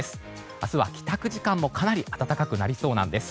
明日は帰宅時間もかなり暖かくなりそうなんです。